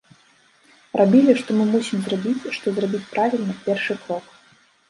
Рабілі, што мы мусім зрабіць, што зрабіць правільна, першы крок.